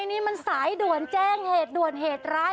นี่มันสายด่วนแจ้งเหตุด่วนเหตุร้าย